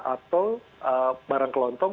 atau barang kelontong